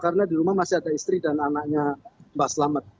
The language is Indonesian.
karena di rumah masih ada istri dan anaknya mbah selamet